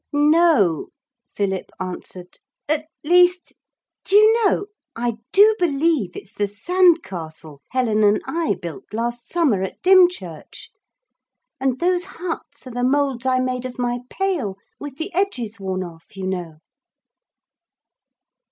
'No,' Philip answered; 'at least do you know, I do believe it's the sand castle Helen and I built last summer at Dymchurch. And those huts are the moulds I made of my pail with the edges worn off, you know.'